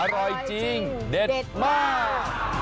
อร่อยจริงเด็ดมาก